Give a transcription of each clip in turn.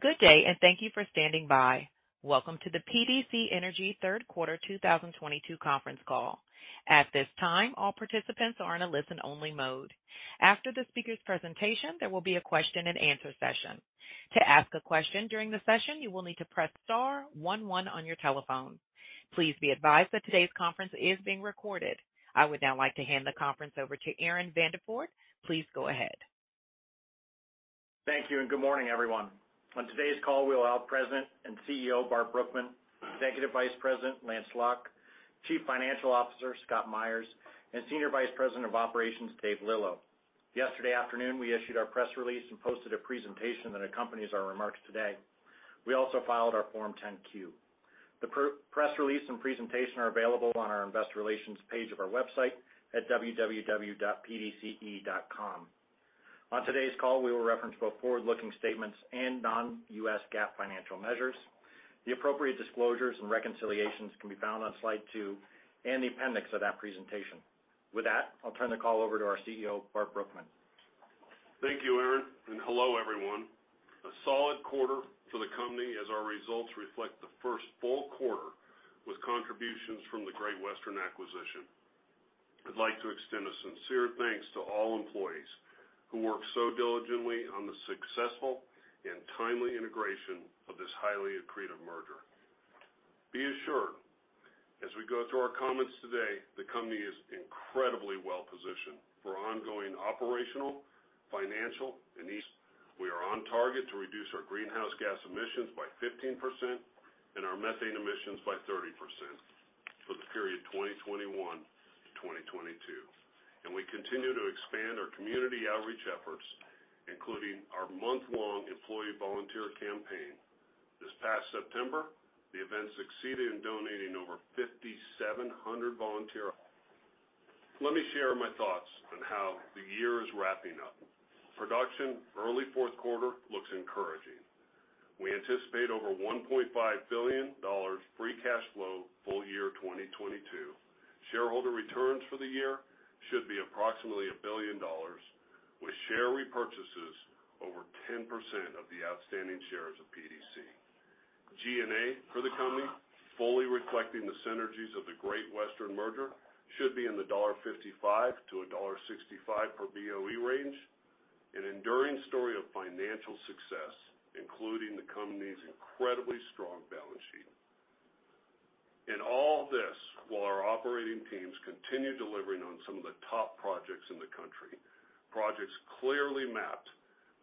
Good day, and thank you for standing by. Welcome to the PDC Energy third quarter 2022 conference call. At this time, all participants are in a listen-only mode. After the speaker's presentation, there will be a question-and-answer session. To ask a question during the session, you will need to press star one one on your telephone. Please be advised that today's conference is being recorded. I would now like to hand the conference over to Aaron Vandeford. Please go ahead. Thank you, and good morning, everyone. On today's call, we will have President and CEO, Bart Brookman, Executive Vice President, Lance Lauck, Chief Financial Officer, Scott Myers, and Senior Vice President of Operations, Dave Lillo. Yesterday afternoon, we issued our press release and posted a presentation that accompanies our remarks today. We also filed our Form 10-Q. The press release and presentation are available on our investor relations page of our website at www.pdce.com. On today's call, we will reference both forward-looking statements and non-U.S. GAAP financial measures. The appropriate disclosures and reconciliations can be found on slide two in the appendix of that presentation. With that, I'll turn the call over to our CEO, Barton Brookman. Thank you, Aaron, and hello, everyone. A solid quarter for the company as our results reflect the first full quarter with contributions from the Great Western acquisition. I'd like to extend a sincere thanks to all employees who worked so diligently on the successful and timely integration of this highly accretive merger. Be assured, as we go through our comments today, the company is incredibly well-positioned for ongoing operational, financial, and we are on target to reduce our greenhouse gas emissions by 15% and our methane emissions by 30% for the period 2021-2022. We continue to expand our community outreach efforts, including our month-long employee volunteer campaign. This past September, the event succeeded in donating over 5,700 volunteer hours. Let me share my thoughts on how the year is wrapping up. Production early fourth quarter looks encouraging. We anticipate over $1.5 billion free cash flow full year 2022. Shareholder returns for the year should be approximately $1 billion, with share repurchases over 10% of the outstanding shares of PDC. G&A for the company, fully reflecting the synergies of the Great Western merger, should be in the $55-$65 per BOE range. An enduring story of financial success, including the company's incredibly strong balance sheet. In all this, while our operating teams continue delivering on some of the top projects in the country, projects clearly mapped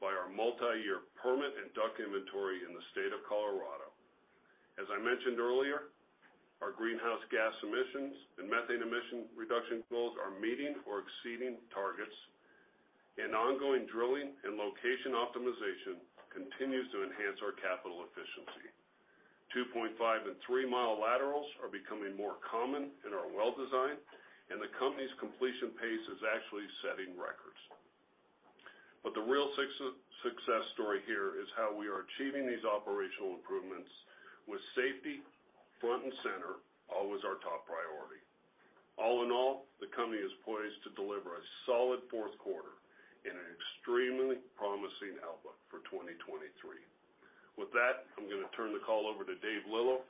by our multi-year permit and DUCs inventory in the state of Colorado. As I mentioned earlier, our greenhouse gas emissions and methane emission reduction goals are meeting or exceeding targets, and ongoing drilling and location optimization continues to enhance our capital efficiency. 2.5 and 3-mile laterals are becoming more common in our well design, and the company's completion pace is actually setting records. The real success story here is how we are achieving these operational improvements with safety front and center, always our top priority. All in all, the company is poised to deliver a solid fourth quarter and an extremely promising outlook for 2023. With that, I'm gonna turn the call over to Dave Lillo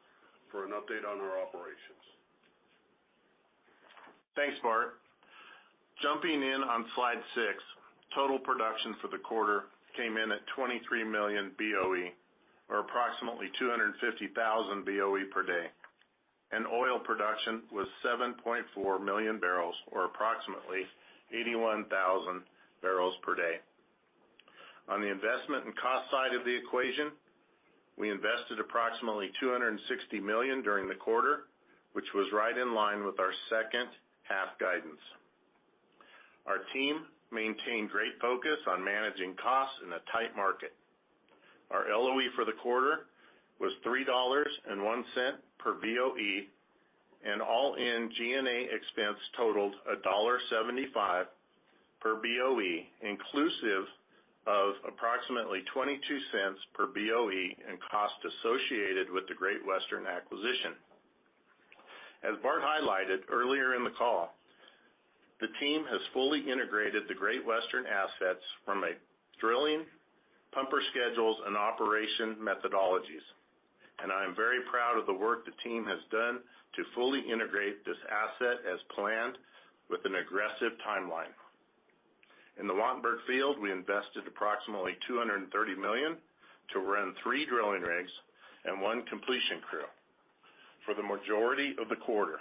for an update on our operations. Thanks, Bart. Jumping in on slide six, total production for the quarter came in at 23 million BOE or approximately 250,000 BOE per day, and oil production was 7.4 million barrels or approximately 81,000 barrels per day. On the investment and cost side of the equation, we invested approximately $260 million during the quarter, which was right in line with our second half guidance. Our team maintained great focus on managing costs in a tight market. Our LOE for the quarter was $3.01 per BOE, and all-in G&A expense totaled $1.75 per BOE, inclusive of approximately $0.22 per BOE in cost associated with the Great Western acquisition. As Bart highlighted earlier in the call, the team has fully integrated the Great Western assets from a drilling, pumper schedules, and operation methodologies, and I am very proud of the work the team has done to fully integrate this asset as planned with an aggressive timeline. In the Wattenberg field, we invested approximately $230 million to run three drilling rigs and one completion crew for the majority of the quarter.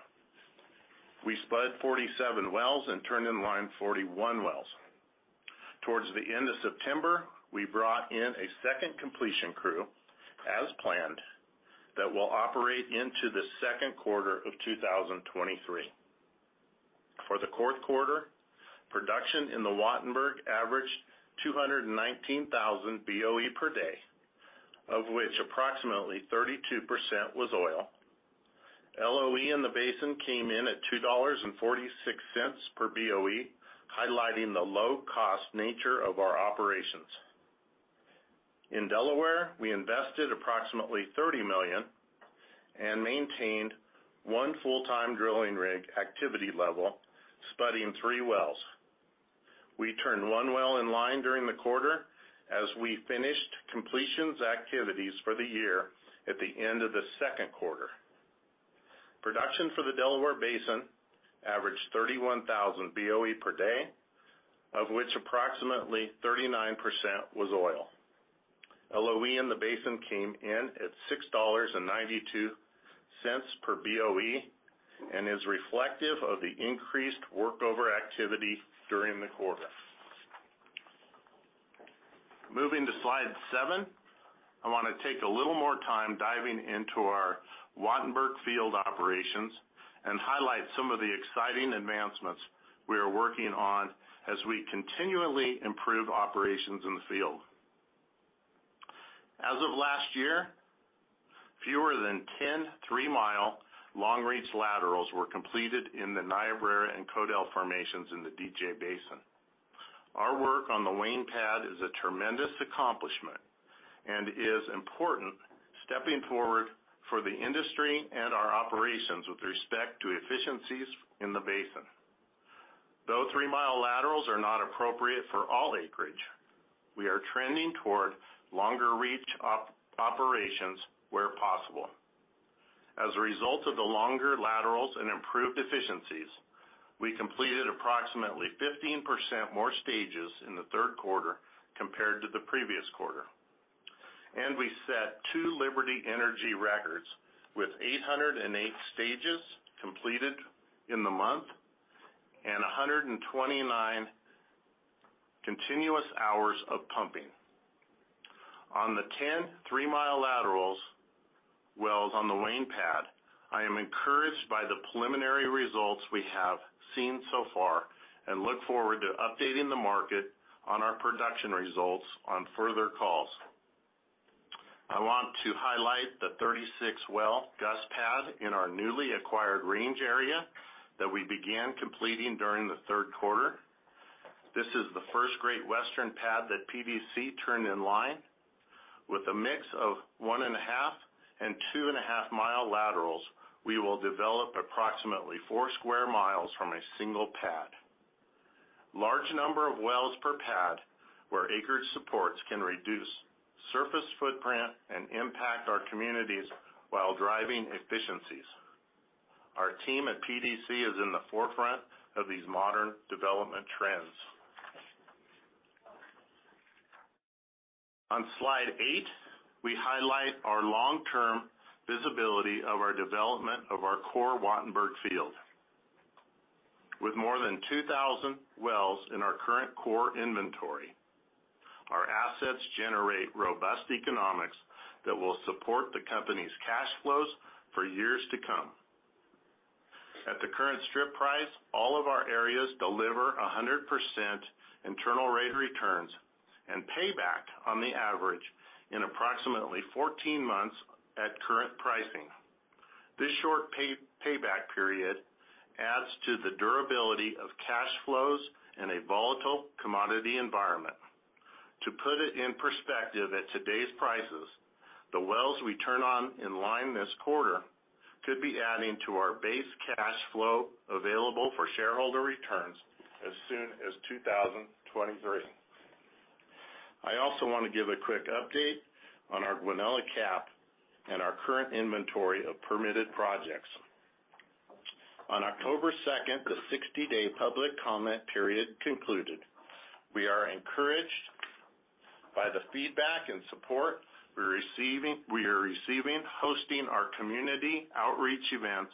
We spudded 47 wells and turned in line 41 wells. Towards the end of September, we brought in a second completion crew as planned that will operate into the second quarter of 2023. For the fourth quarter, production in the Wattenberg averaged 219,000 BOE per day, of which approximately 32% was oil. LOE in the basin came in at $2.46 per BOE, highlighting the low-cost nature of our operations. In Delaware, we invested approximately $30 million and maintained one full-time drilling rig activity level, spudding three wells. We turned one well online during the quarter as we finished completions activities for the year at the end of the second quarter. Production for the Delaware Basin averaged 31,000 BOE per day, of which approximately 39% was oil. LOE in the basin came in at $6.92 per BOE, and is reflective of the increased workover activity during the quarter. Moving to slide seven, I wanna take a little more time diving into our Wattenberg Field operations and highlight some of the exciting advancements we are working on as we continually improve operations in the field. As of last year, fewer than 10, three-mile long reach laterals were completed in the Niobrara and Codell formations in the DJ Basin. Our work on the Wayne pad is a tremendous accomplishment and is important stepping forward for the industry and our operations with respect to efficiencies in the basin. Though three-mile laterals are not appropriate for all acreage, we are trending toward longer reach operations where possible. As a result of the longer laterals and improved efficiencies, we completed approximately 15% more stages in the third quarter compared to the previous quarter. We set two Liberty Energy records with 808 stages completed in the month and 129 continuous hours of pumping. On the 10, three-mile lateral wells on the Wayne pad, I am encouraged by the preliminary results we have seen so far, and look forward to updating the market on our production results on further calls. I want to highlight the 36-well Gus pad in our newly acquired range area that we began completing during the third quarter. This is the first Great Western pad that PDC turned in line. With a mix of 1.5 and 2.5-mile laterals, we will develop approximately 4sq miles from a single pad. Large number of wells per pad, where acreage supports can reduce surface footprint and impact our communities while driving efficiencies. Our team at PDC is in the forefront of these modern development trends. On slide eight, we highlight our long-term visibility of our development of our core Wattenberg Field. With more than 2,000 wells in our current core inventory, our assets generate robust economics that will support the company's cash flows for years to come. At the current strip price, all of our areas deliver 100% internal rate returns and payback on the average in approximately 14 months at current pricing. This short payback period adds to the durability of cash flows in a volatile commodity environment. To put it in perspective, at today's prices, the wells we turn in line this quarter could be adding to our base cash flow available for shareholder returns as soon as 2023. I also wanna give a quick update on our Guanella CAP and our current inventory of permitted projects. On October 2, the 60-day public comment period concluded. We are encouraged by the feedback and support we're receiving, hosting our community outreach events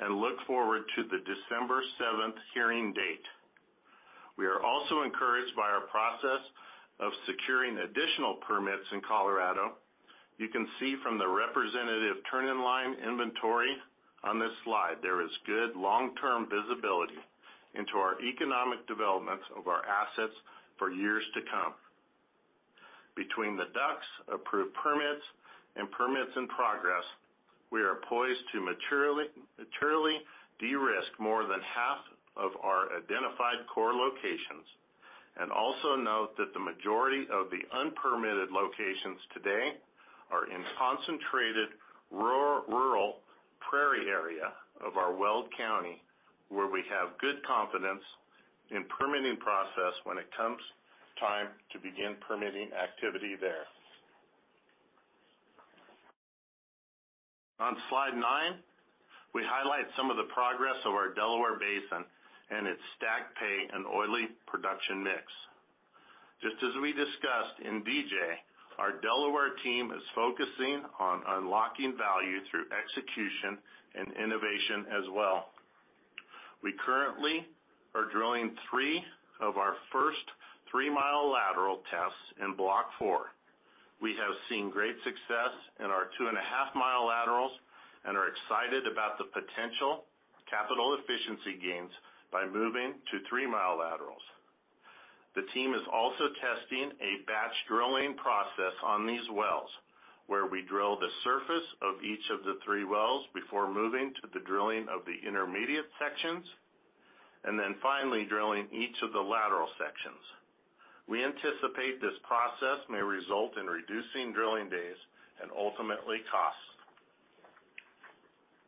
and look forward to the December 7th hearing date. We are also encouraged by our process of securing additional permits in Colorado. You can see from the representative turn-in-line inventory on this slide, there is good long-term visibility into our economic developments of our assets for years to come. Between the DUCs approved permits and permits in progress, we are poised to materially de-risk more than half of our identified core locations. Also note that the majority of the unpermitted locations today are in concentrated rural prairie area of our Weld County, where we have good confidence in permitting process when it comes time to begin permitting activity there. On slide nine, we highlight some of the progress of our Delaware Basin and its stack pay and oily production mix. Just as we discussed in DJ, our Delaware team is focusing on unlocking value through execution and innovation as well. We currently are drilling three of our first three-mile lateral tests in block four. We have seen great success in our 2.5-mile laterals and are excited about the potential capital efficiency gains by moving to three-mile laterals. The team is also testing a batch drilling process on these wells, where we drill the surface of each of the three wells before moving to the drilling of the intermediate sections, and then finally drilling each of the lateral sections. We anticipate this process may result in reducing drilling days and ultimately costs.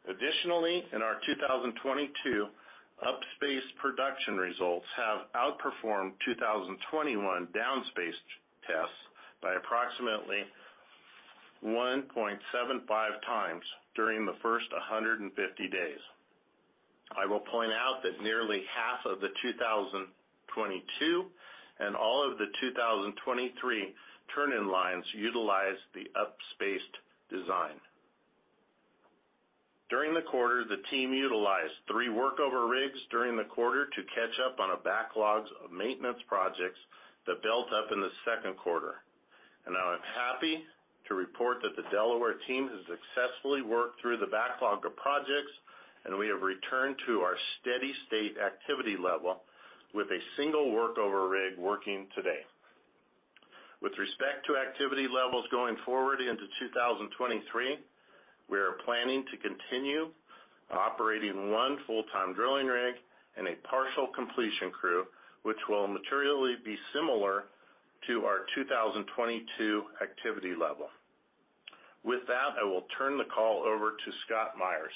Additionally, in our 2022 upspaced production results have outperformed 2021 downspaced tests by approximately 1.75x during the first 150 days. I will point out that nearly half of the 2022 and all of the 2023 turn-in lines utilize the upspaced design. During the quarter, the team utilized three workover rigs during the quarter to catch up on a backlog of maintenance projects that built up in the second quarter. I'm happy to report that the Delaware team has successfully worked through the backlog of projects, and we have returned to our steady-state activity level with one workover rig working today. With respect to activity levels going forward into 2023, we are planning to continue operating one full-time drilling rig and a partial completion crew, which will materially be similar to our 2022 activity level. With that, I will turn the call over to Scott Myers.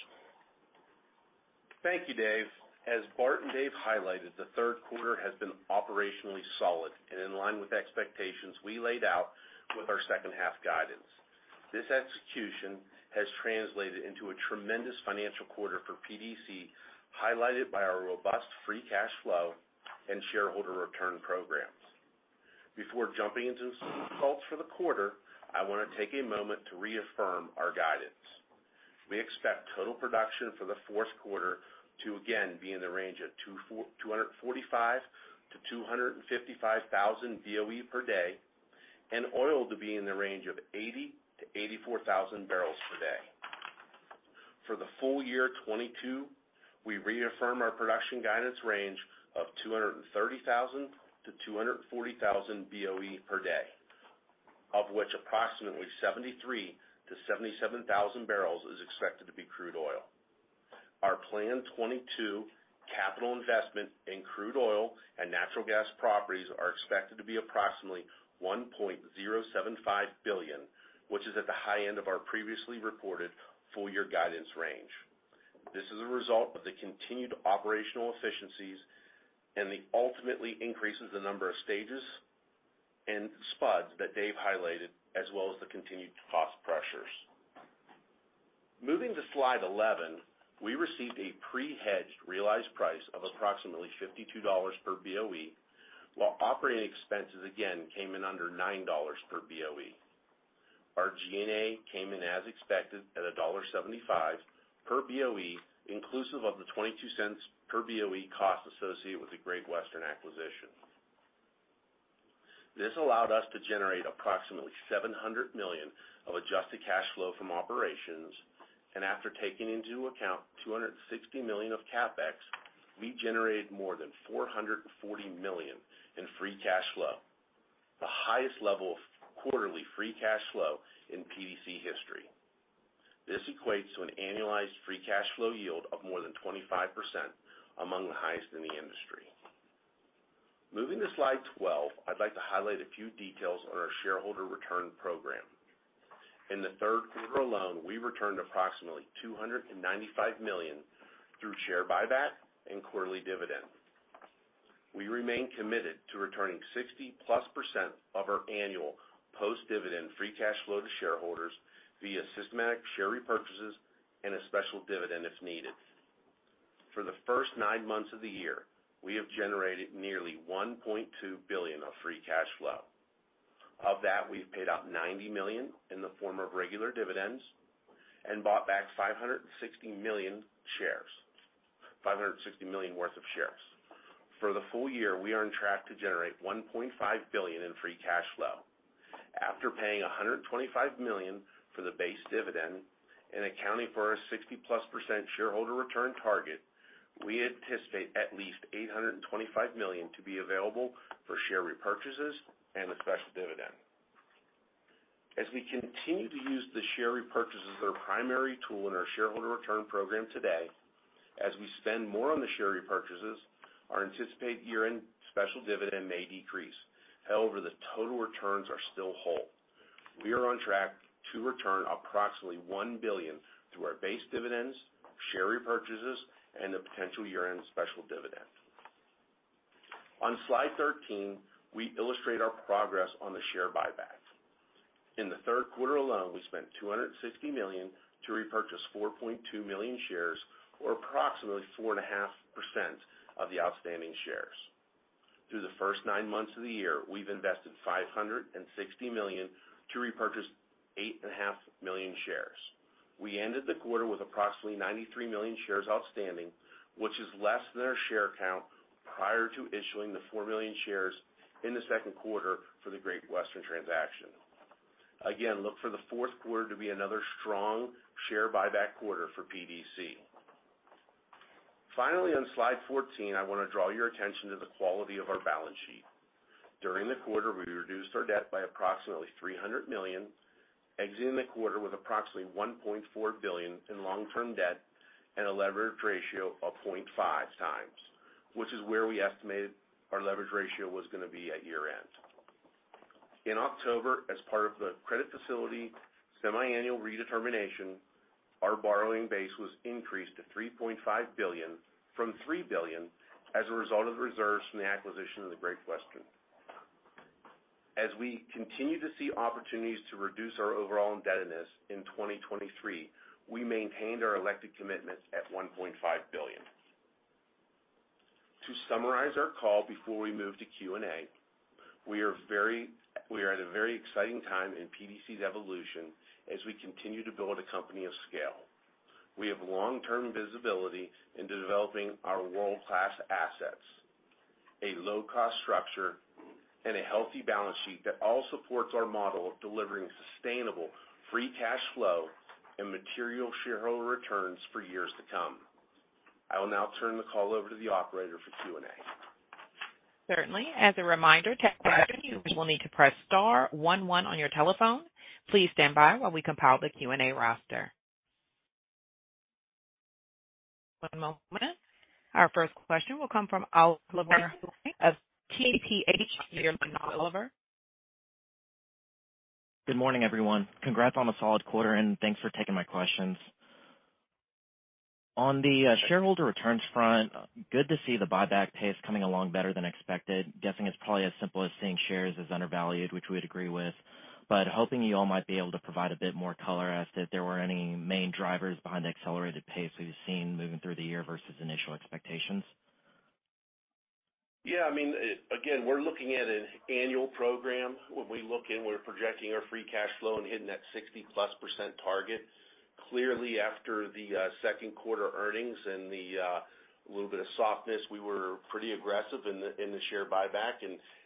Thank you, Dave. As Bart and Dave highlighted, the third quarter has been operationally solid and in line with expectations we laid out with our second half guidance. This execution has translated into a tremendous financial quarter for PDC, highlighted by our robust free cash flow and shareholder return programs. Before jumping into some results for the quarter, I wanna take a moment to reaffirm our guidance. We expect total production for the fourth quarter to again be in the range of 245,000-255,000 BOE per day, and oil to be in the range of 80,000-84,000 barrels per day. For the full year 2022, we reaffirm our production guidance range of 230,000-240,000 BOE per day, of which approximately 73,000-77,000 barrels is expected to be crude oil. Our planned 2022 capital investment in crude oil and natural gas properties are expected to be approximately $1.075 billion, which is at the high end of our previously reported full year guidance range. This is a result of the continued operational efficiencies and the ultimately increases the number of stages and spuds that Dave highlighted, as well as the continued cost pressures. Moving to slide 11, we received a pre-hedged realized price of approximately $52 per BOE, while operating expenses again came in under $9 per BOE. Our G&A came in as expected at $1.75 per BOE, inclusive of the $0.22 per BOE cost associated with the Great Western acquisition. This allowed us to generate approximately $700 million of adjusted cash flow from operations, and after taking into account $260 million of CapEx, we generated more than $440 million in free cash flow, the highest level of quarterly free cash flow in PDC history. This equates to an annualized free cash flow yield of more than 25%, among the highest in the industry. Moving to slide 12, I'd like to highlight a few details on our shareholder return program. In the third quarter alone, we returned approximately $295 million through share buyback and quarterly dividend. We remain committed to returning 60%+ of our annual post-dividend free cash flow to shareholders via systematic share repurchases and a special dividend if needed. For the first nine months of the year, we have generated nearly $1.2 billion of free cash flow. Of that, we've paid out $90 million in the form of regular dividends and bought back $560 million shares, $560 million worth of shares. For the full year, we are on track to generate $1.5 billion in free cash flow. After paying $125 million for the base dividend and accounting for our 60%+ shareholder return target, we anticipate at least $825 million to be available for share repurchases and a special dividend. As we continue to use the share repurchases as our primary tool in our shareholder return program today, as we spend more on the share repurchases, our anticipated year-end special dividend may decrease. However, the total returns are still whole. We are on track to return approximately $1 billion through our base dividends, share repurchases, and the potential year-end special dividend. On slide 13, we illustrate our progress on the share buyback. In the third quarter alone, we spent $260 million to repurchase 4.2 million shares, or approximately 4.5% of the outstanding shares. Through the first nine months of the year, we've invested $560 million to repurchase 8.5 million shares. We ended the quarter with approximately 93 million shares outstanding, which is less than our share count prior to issuing the four million shares in the second quarter for the Great Western transaction. Again, look for the fourth quarter to be another strong share buyback quarter for PDC. Finally, on slide 14, I wanna draw your attention to the quality of our balance sheet. During the quarter, we reduced our debt by approximately $300 million, exiting the quarter with approximately $1.4 billion in long-term debt and a leverage ratio of 0.5x, which is where we estimated our leverage ratio was gonna be at year-end. In October, as part of the credit facility semiannual redetermination, our borrowing base was increased to $3.5 billion from $3 billion as a result of the reserves from the acquisition of the Great Western. As we continue to see opportunities to reduce our overall indebtedness in 2023, we maintained our elected commitments at $1.5 billion. To summarize our call before we move to Q&A, we are at a very exciting time in PDC's evolution as we continue to build a company of scale. We have long-term visibility into developing our world-class assets, a low-cost structure, and a healthy balance sheet that all supports our model of delivering sustainable free cash flow and material shareholder returns for years to come. I will now turn the call over to the operator for Q&A. Certainly. As a reminder, to ask a question, you will need to press star one one on your telephone. Please stand by while we compile the Q&A roster. One moment. Our first question will come from Arun Jayaram of JPMorgan. Good morning, everyone. Congrats on the solid quarter, and thanks for taking my questions. On the shareholder returns front, good to see the buyback pace coming along better than expected. Guessing it's probably as simple as seeing shares as undervalued, which we'd agree with, but hoping you all might be able to provide a bit more color as to if there were any main drivers behind the accelerated pace we've seen moving through the year versus initial expectations. Yeah. I mean, again, we're looking at an annual program. When we look in, we're projecting our free cash flow and hitting that 60%+ target. Clearly, after the second quarter earnings and the little bit of softness, we were pretty aggressive in the share buyback.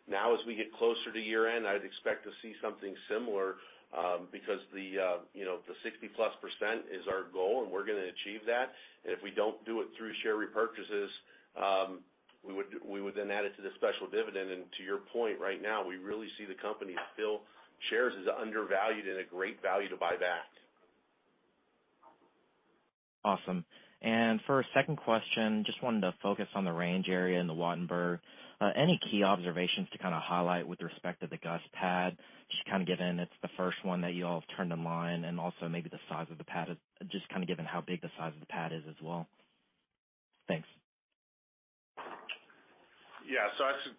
Now, as we get closer to year-end, I'd expect to see something similar, because you know, the 60%+ is our goal, and we're gonna achieve that. If we don't do it through share repurchases, we would then add it to the special dividend. To your point, right now, we really see the company's shares as undervalued and a great value to buy back. Awesome. For a second question, just wanted to focus on the range area in the Wattenberg. Any key observations to kinda highlight with respect to the Gus Pad? Just kinda given it's the first one that you all have turned online, and just kinda given how big the size of the pad is as well. Thanks. Yeah.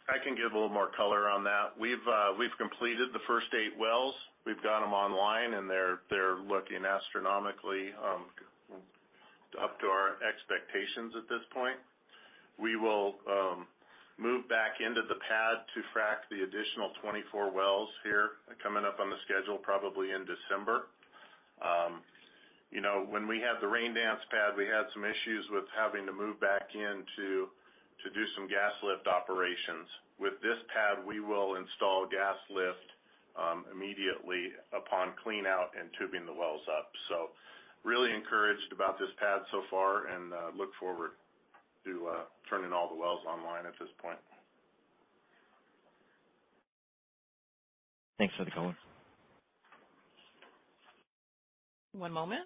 I can give a little more color on that. We've completed the first eight wells. We've got them online, and they're looking astronomically up to our expectations at this point. We will move back into the pad to frack the additional 24 wells here coming up on the schedule probably in December. You know, when we had the Raindance pad, we had some issues with having to move back in to do some gas lift operations. With this pad, we will install gas lift immediately upon clean out and tubing the wells up. Really encouraged about this pad so far and look forward to turning all the wells online at this point. Thanks for the color. One moment.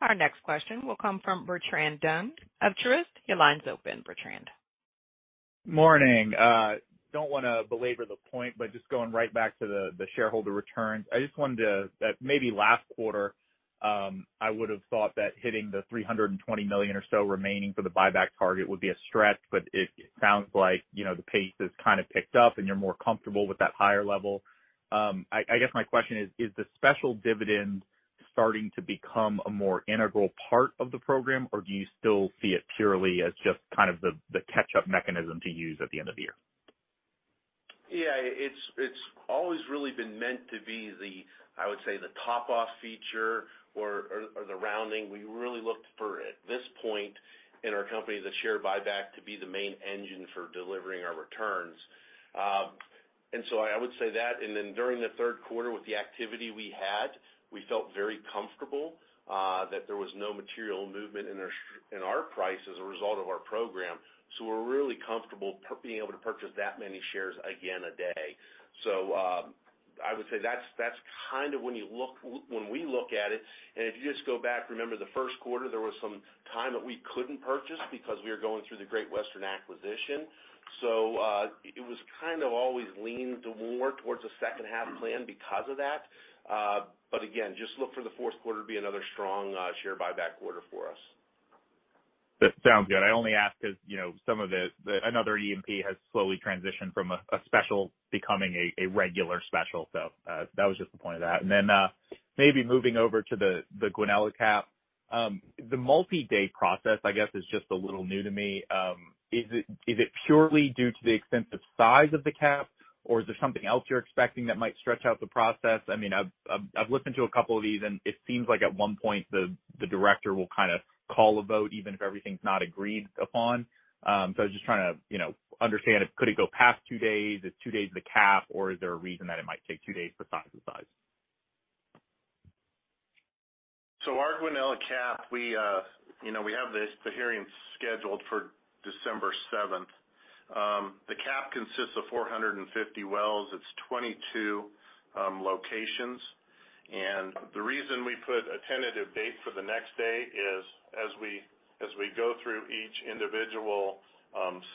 Our next question will come from Bertrand Donnes of Truist. Your line's open, Bertrand. Morning. Don't wanna belabor the point, but just going right back to the shareholder returns. I just wanted to maybe last quarter, I would've thought that hitting the $320 million or so remaining for the buyback target would be a stretch, but it sounds like, you know, the pace has kinda picked up and you're more comfortable with that higher level. I guess my question is the special dividend starting to become a more integral part of the program, or do you still see it purely as just kind of the catch-up mechanism to use at the end of the year? Yeah. It's always really been meant to be the, I would say, the top-off feature or the rounding. We really look for, at this point in our company, the share buyback to be the main engine for delivering our returns. I would say that. During the third quarter with the activity we had, we felt very comfortable that there was no material movement in our price as a result of our program. We're really comfortable being able to purchase that many shares again a day. I would say that's kind of when we look at it. If you just go back, remember the first quarter, there was some time that we couldn't purchase because we were going through the Great Western acquisition. It was kind of always leaned more towards a second half plan because of that. Again, just look for the fourth quarter to be another strong share buyback quarter for us. That sounds good. I only ask 'cause, you know, some of another E&P has slowly transitioned from a special becoming a regular special. That was just the point of that. Maybe moving over to the Guanella CAP. The multi-day process, I guess, is just a little new to me. Is it purely due to the extensive size of the CAP, or is there something else you're expecting that might stretch out the process? I mean, I've listened to a couple of these, and it seems like at one point, the director will kinda call a vote even if everything's not agreed upon. I was just trying to, you know, understand if could it go past two days? Is 2 days the cap, or is there a reason that it might take 2 days for size and size? Our Guanella CAP, you know, we have this, the hearing scheduled for December seventh. The CAP consists of 450 wells. It's 22 locations. The reason we put a tentative date for the next day is as we go through each individual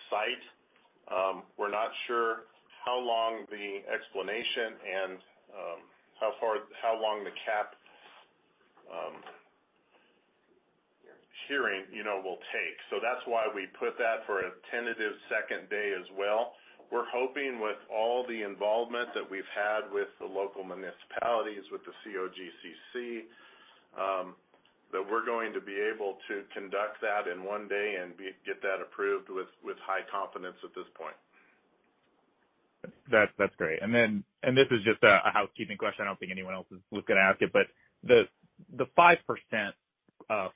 site, we're not sure how long the explanation and how long the CAP hearing, you know, will take. That's why we put that for a tentative second day as well. We're hoping with all the involvement that we've had with the local municipalities, with the COGCC, that we're going to be able to conduct that in one day and get that approved with high confidence at this point. That's great. This is just a housekeeping question. I don't think anyone else is gonna ask it, but the 5%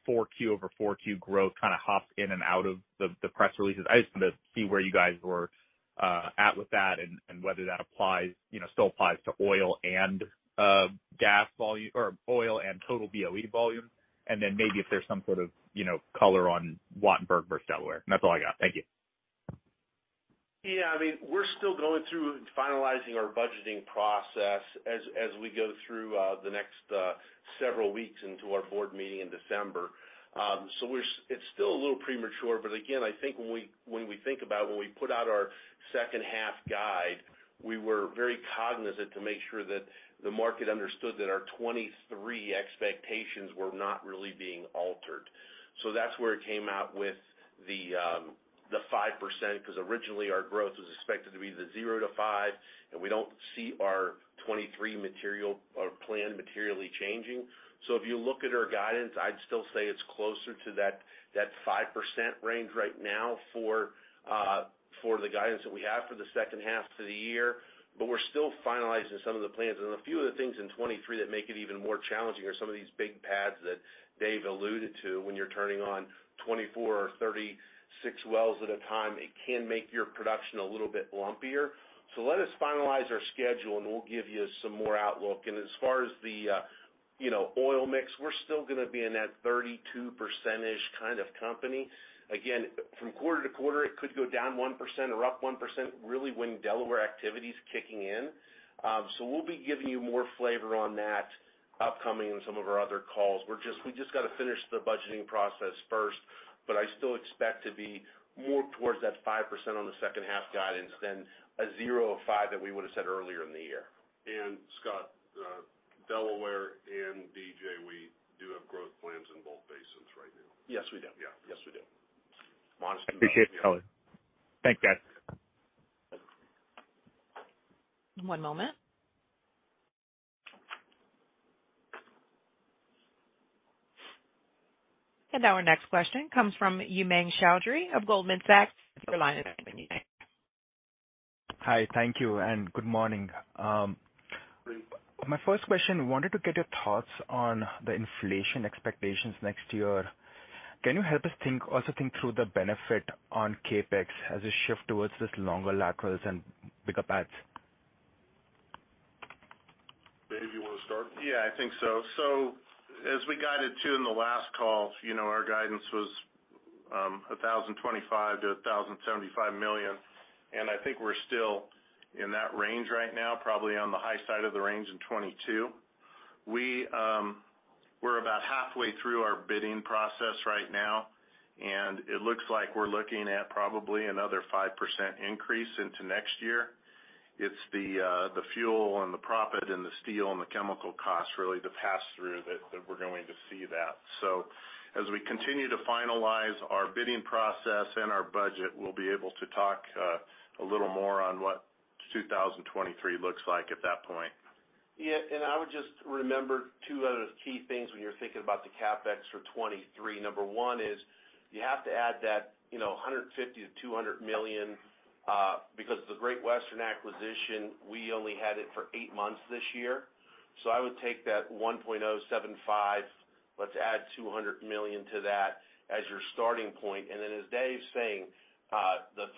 4Q-over-4Q growth kind of hops in and out of the press releases. I just want to see where you guys were at with that and whether that applies, you know, still applies to oil and gas volume or oil and total BOE volume. Then maybe if there's some sort of color on Wattenberg versus Delaware. That's all I got. Thank you. Yeah. I mean, we're still going through finalizing our budgeting process as we go through the next several weeks into our board meeting in December. It's still a little premature, but again, I think when we think about when we put out our second half guide, we were very cognizant to make sure that the market understood that our 2023 expectations were not really being altered. That's where it came out with the 5%, because originally our growth was expected to be the 0%-5%, and we don't see our 2023 material or plan materially changing. If you look at our guidance, I'd still say it's closer to that 5% range right now for the guidance that we have for the second half of the year. We're still finalizing some of the plans. A few of the things in 2023 that make it even more challenging are some of these big pads that Dave alluded to. When you're turning on 24 or 36 wells at a time, it can make your production a little bit lumpier. Let us finalize our schedule, and we'll give you some more outlook. As far as the, you know, oil mix, we're still gonna be in that 32% kind of company. Again, from quarter to quarter, it could go down 1% or up 1%, really when Delaware activity is kicking in. We'll be giving you more flavor on that upcoming in some of our other calls. We just got to finish the budgeting process first, but I still expect to be more towards that 5% on the second half guidance than 0% or 5% that we would have said earlier in the year. Scott, Delaware and DJ, we do have growth plans in both basins right now. Yes, we do. Yeah. Yes, we do. Appreciate the color. Thanks, guys. One moment. Now our next question comes from Umang Choudhary of Goldman Sachs. Your line is open. Hi. Thank you, and good morning. My first question, wanted to get your thoughts on the inflation expectations next year. Can you help us think through the benefit on CapEx as a shift towards these longer laterals and bigger pads? Dave, you wanna start? Yeah, I think so. As we guided too in the last call, you know, our guidance was $1,025 million-$1,075 million, and I think we're still in that range right now, probably on the high side of the range in 2022. We're about halfway through our bidding process right now, and it looks like we're looking at probably another 5% increase into next year. It's the fuel and the proppant and the steel and the chemical costs really, the pass-through that we're going to see. As we continue to finalize our bidding process and our budget, we'll be able to talk a little more on what 2023 looks like at that point. Yeah. I would just remember two other key things when you're thinking about the CapEx for 2023. Number one is you have to add that, you know, $150-$200 million because the Great Western acquisition, we only had it for eight months this year. I would take that 1.075, let's add $200 million to that as your starting point. Then as Dave's saying, the 5%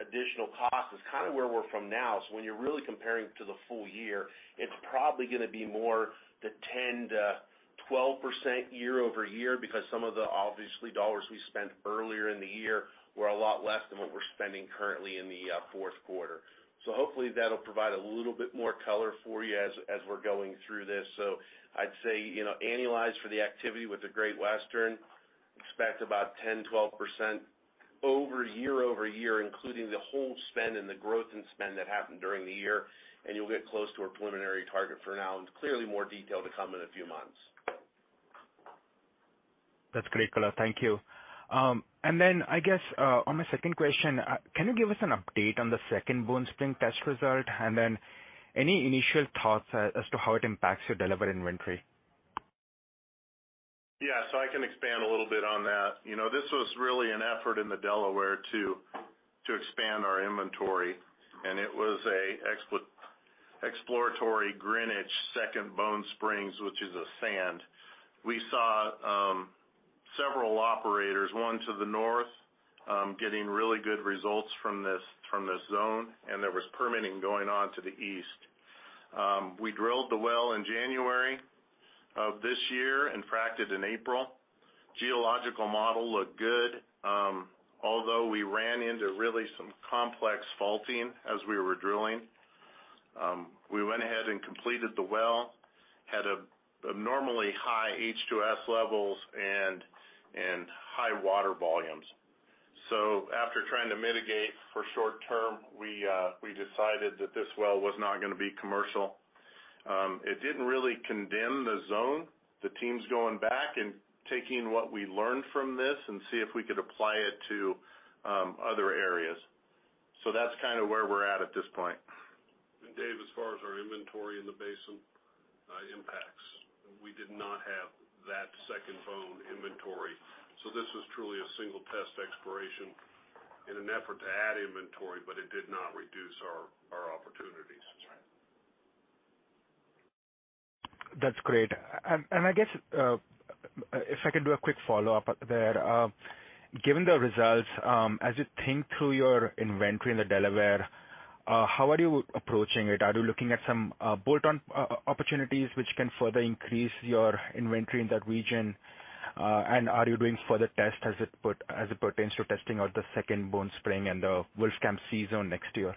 additional cost is kinda where we're from now. When you're really comparing to the full year, it's probably gonna be more the 10%-12% year-over-year because some of the, obviously, dollars we spent earlier in the year were a lot less than what we're spending currently in the fourth quarter. Hopefully that'll provide a little bit more color for you as we're going through this. I'd say, you know, annualized for the activity with the Great Western, expect about 10-12% year-over-year, including the whole spend and the growth in spend that happened during the year, and you'll get close to our preliminary target for now, and clearly more detail to come in a few months. That's great, Color. Thank you. I guess, on my second question, can you give us an update on the 2nd Bone Spring test result, and then any initial thoughts as to how it impacts your Delaware inventory? Yeah. I can expand a little bit on that. You know, this was really an effort in the Delaware to expand our inventory, and it was an exploratory Greenwich 2nd Bone Spring, which is a sand. We saw several operators, one to the north, getting really good results from this zone, and there was permitting going on to the east. We drilled the well in January of this year and fracked it in April. Geological model looked good. Although we ran into really some complex faulting as we were drilling, we went ahead and completed the well, had abnormally high H2S levels and high water volumes. After trying to mitigate for short term, we decided that this well was not gonna be commercial. It didn't really condemn the zone. The team's going back and taking what we learned from this and see if we could apply it to other areas. That's kind of where we're at at this point. Dave, as far as our inventory in the basin, impacts, we did not have that second zone inventory. This was truly a single test exploration in an effort to add inventory, but it did not reduce our opportunities. That's right. That's great. I guess if I can do a quick follow-up there. Given the results, as you think through your inventory in the Delaware, how are you approaching it? Are you looking at some bolt-on opportunities which can further increase your inventory in that region? Are you doing further tests as it pertains to testing out the 2nd Bone Spring and the Wolfcamp C zone next year?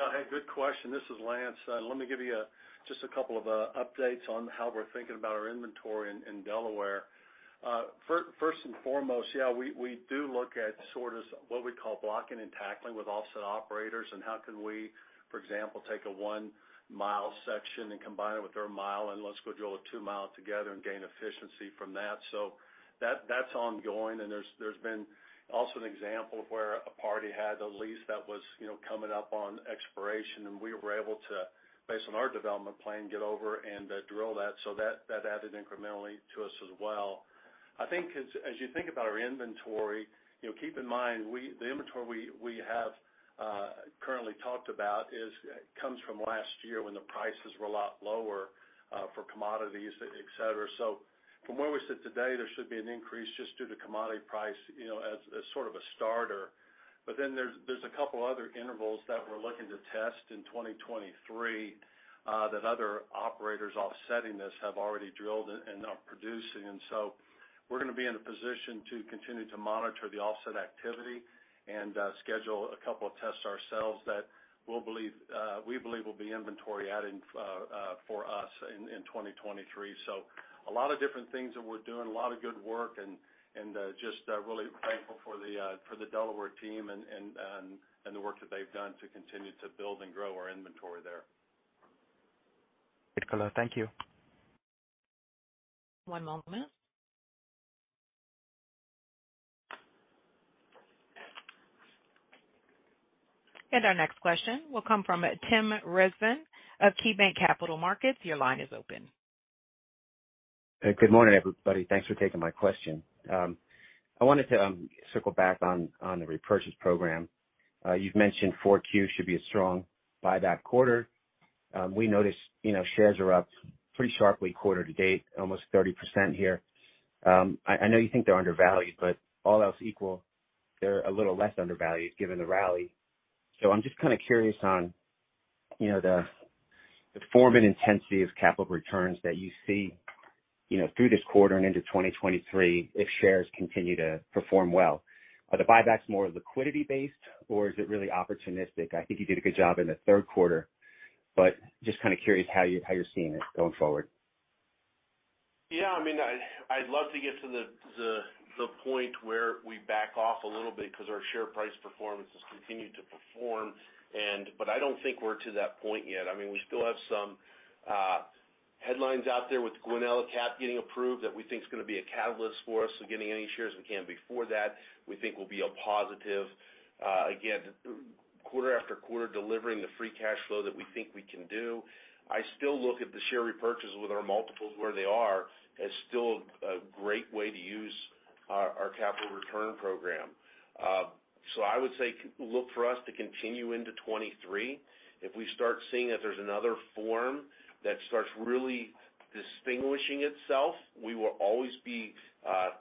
Yeah. Hey, good question. This is Lance. Let me give you just a couple of updates on how we're thinking about our inventory in Delaware. First and foremost, yeah, we do look at sort of what we call blocking and tackling with offset operators and how can we, for example, take a one-mile section and combine it with their mile and let's go drill a two mile together and gain efficiency from that. So that's ongoing. There's been also an example of where a party had a lease that was, you know, coming up on expiration and we were able to, based on our development plan, get over and drill that. So that added incrementally to us as well. I think as you think about our inventory, you know, keep in mind, the inventory we have currently talked about comes from last year when the prices were a lot lower for commodities, et cetera. From where we sit today, there should be an increase just due to commodity price, you know, as sort of a starter. There's a couple other intervals that we're looking to test in 2023, that other operators offsetting this have already drilled and are producing. We're gonna be in a position to continue to monitor the offset activity and schedule a couple of tests ourselves that we believe will be inventory adding for us in 2023. A lot of different things that we're doing, a lot of good work and just really thankful for the Delaware team and the work that they've done to continue to build and grow our inventory there. Thank you. One moment. Our next question will come from Tim Rezvan of KeyBanc Capital Markets. Your line is open. Good morning, everybody. Thanks for taking my question. I wanted to circle back on the repurchase program. You've mentioned 4Q should be a strong buyback quarter. We noticed, you know, shares are up pretty sharply quarter to date, almost 30% here. I know you think they're undervalued, but all else equal, they're a little less undervalued given the rally. I'm just kinda curious on, you know, the form and intensity of capital returns that you see, you know, through this quarter and into 2023 if shares continue to perform well. Are the buybacks more liquidity based or is it really opportunistic? I think you did a good job in the third quarter, but just kinda curious how you're seeing it going forward. I mean, I'd love to get to the point where we back off a little bit 'cause our share price performance has continued to perform, but I don't think we're to that point yet. I mean, we still have some headlines out there with Guanella CAP getting approved that we think is gonna be a catalyst for us. Getting any shares we can before that we think will be a positive. Again, quarter after quarter, delivering the free cash flow that we think we can do. I still look at the share repurchase with our multiples where they are as still a great way to use our capital return program. I would say look for us to continue into 2023. If we start seeing that there's another form that starts really distinguishing itself, we will always be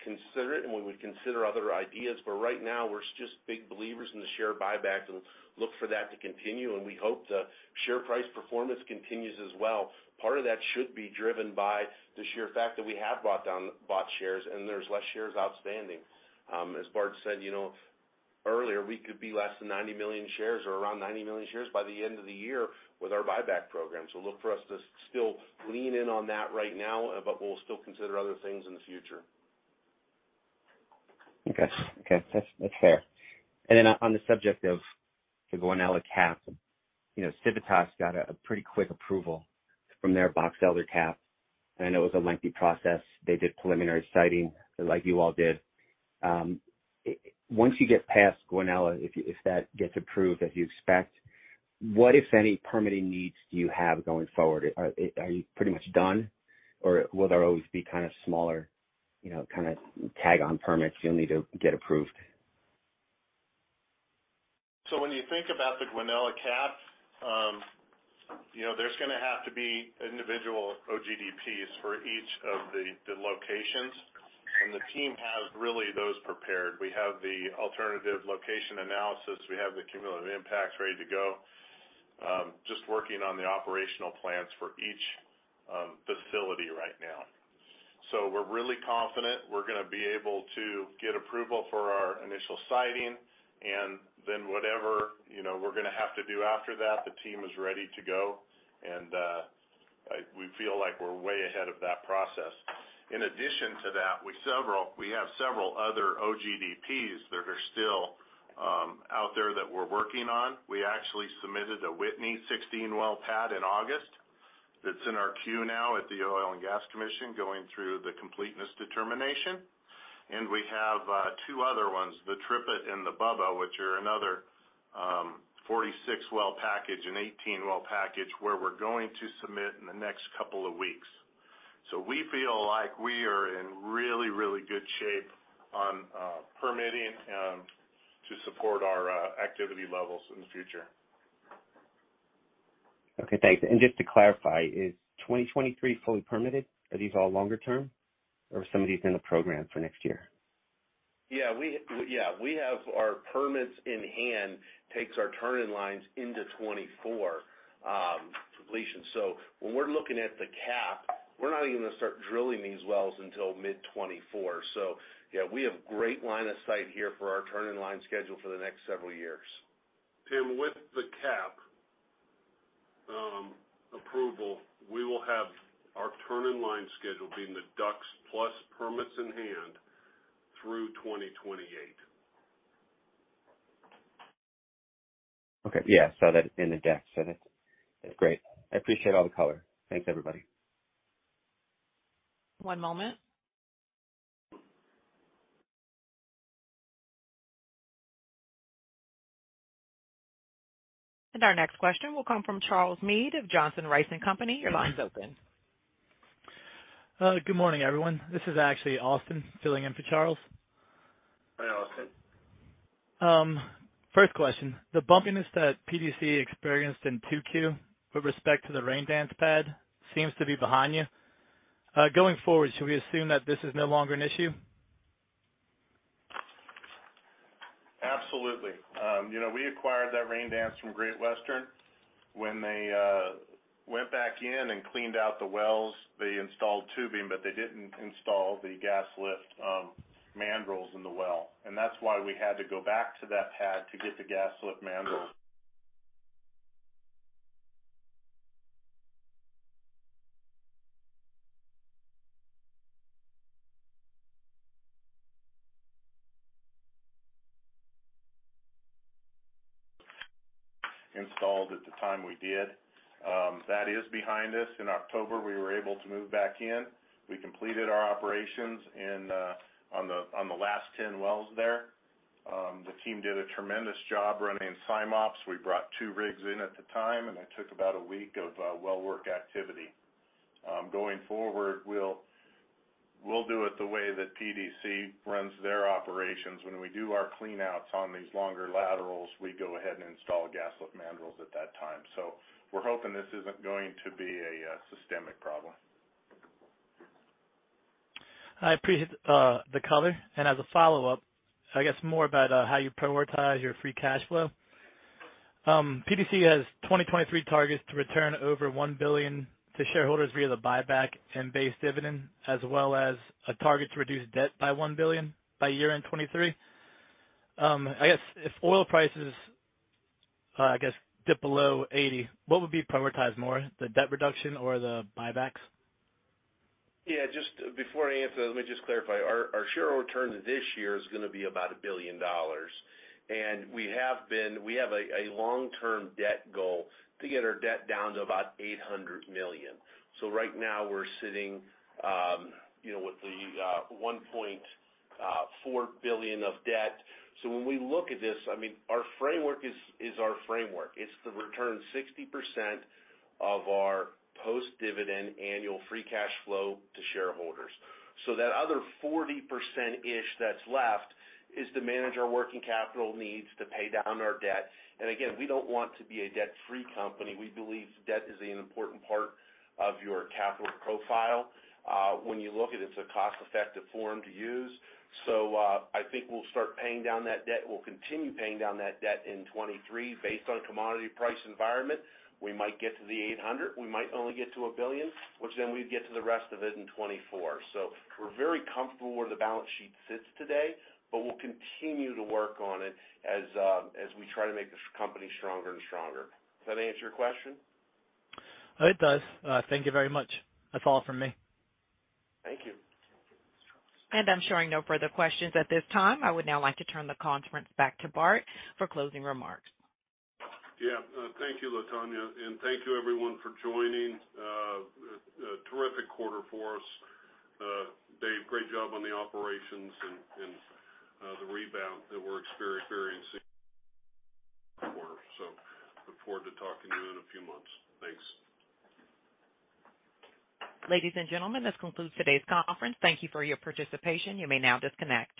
considerate and we would consider other ideas. Right now, we're just big believers in the share buybacks and look for that to continue, and we hope the share price performance continues as well. Part of that should be driven by the sheer fact that we have bought shares and there's less shares outstanding. As Bart said, you know, earlier, we could be less than 90 million shares or around 90 million shares by the end of the year with our buyback program. Look for us to still lean in on that right now, but we'll still consider other things in the future. Okay. That's fair. Then on the subject of the Guanella CAP, you know, Civitas got a pretty quick approval from their Box Elder CAP, and I know it was a lengthy process. They did preliminary siting like you all did. Once you get past Guanella, if that gets approved as you expect, what, if any, permitting needs do you have going forward? Are you pretty much done or will there always be kind of smaller, you know, kind of tag-on permits you'll need to get approved? When you think about the Guanella CAP, you know, there's gonna have to be individual OGDPs for each of the locations. The team really has those prepared. We have the alternative location analysis. We have the cumulative impacts ready to go. Just working on the operational plans for each facility right now. We're really confident we're gonna be able to get approval for our initial siting and then whatever, you know, we're gonna have to do after that, the team is ready to go, and we feel like we're way ahead of that process. In addition to that, we have several other OGDPs that are still out there that we're working on. We actually submitted a Whitney 16-well pad in August. That's in our queue now at the Oil and Gas Commission, going through the completeness determination. We have two other ones, the Trippet and the Bubba, which are another 46 well package and 18 well package where we're going to submit in the next couple of weeks. We feel like we are in really, really good shape on permitting to support our activity levels in the future. Okay, thanks. Just to clarify, is 2023 fully permitted? Are these all longer term or are some of these in the program for next year? We have our permits in hand, takes our turn-in-line into 2024 completion. When we're looking at the CAP, we're not even gonna start drilling these wells until mid-2024. Yeah, we have great line of sight here for our turn-in-line schedule for the next several years. Tim, with the CAP approval, we will have our turn-in-line schedule being the DUCs plus permits in hand through 2028. Okay. Yeah, I saw that in the deck. That's great. I appreciate all the color. Thanks, everybody. One moment. Our next question will come from Charles Meade of Johnson Rice & Company. Your line's open. Good morning, everyone. This is actually Austin filling in for Charles. Hi, Austin. First question, the bumpiness that PDC experienced in 2Q with respect to the Raindance pad seems to be behind you. Going forward, should we assume that this is no longer an issue? Absolutely. You know, we acquired that Raindance from Great Western. When they went back in and cleaned out the wells, they installed tubing, but they didn't install the gas lift mandrels in the well, and that's why we had to go back to that pad to get the gas lift mandrels installed at the time we did. That is behind us. In October, we were able to move back in. We completed our operations and on the last 10 wells there. The team did a tremendous job running sim ops. We brought two rigs in at the time, and it took about a week of well work activity. Going forward, we'll do it the way that PDC runs their operations. When we do our clean outs on these longer laterals, we go ahead and install gas lift mandrels at that time. We're hoping this isn't going to be a systemic problem. I appreciate the color. As a follow-up, I guess more about how you prioritize your free cash flow. PDC has 2023 targets to return over $1 billion to shareholders via the buyback and base dividend as well as a target to reduce debt by $1 billion by year-end 2023. I guess if oil prices dip below $80, what would be prioritized more, the debt reduction or the buybacks? Yeah, just before I answer that, let me just clarify. Our share return this year is gonna be about $1 billion, and we have a long-term debt goal to get our debt down to about $800 million. So right now we're sitting, you know, with the $1.4 billion of debt. So when we look at this, I mean, our framework is our framework. It's to return 60% of our post-dividend annual free cash flow to shareholders. So that other 40%ish that's left is to manage our working capital needs to pay down our debt. Again, we don't want to be a debt-free company. We believe debt is an important part of your capital profile. When you look at it's a cost-effective form to use. I think we'll start paying down that debt. We'll continue paying down that debt in 2023. Based on commodity price environment, we might get to $800 million, we might only get to $1 billion, which then we'd get to the rest of it in 2024. We're very comfortable where the balance sheet sits today, but we'll continue to work on it as we try to make this company stronger and stronger. Does that answer your question? It does. Thank you very much. That's all from me. Thank you. I'm showing no further questions at this time. I would now like to turn the conference back to Bart for closing remarks. Yeah. Thank you, Latonya, and thank you everyone for joining. A terrific quarter for us. Dave, great job on the operations and the rebound that we're experiencing quarter. Look forward to talking to you in a few months. Thanks. Ladies and gentlemen, this concludes today's conference. Thank you for your participation. You may now disconnect.